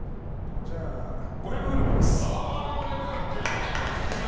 じゃあ、５００ｇ行きます。